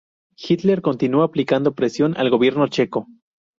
Hitler continuó aplicando presión al gobierno checo.